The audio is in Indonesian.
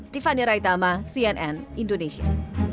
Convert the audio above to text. tiffany raitama cnn indonesia